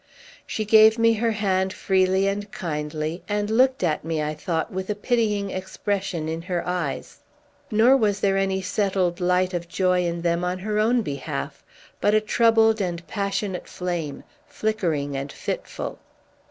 She gave me her hand freely and kindly, and looked at me, I thought, with a pitying expression in her eyes; nor was there any settled light of joy in them on her own behalf, but a troubled and passionate flame, flickering and fitful.